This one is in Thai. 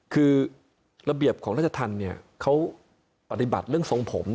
คือระเบียบของราชธรรมเขาปฏิบัติเรื่องทรงผม